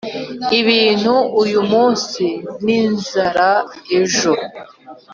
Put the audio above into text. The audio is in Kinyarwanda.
ibintu uyu munsi ninzara ejo.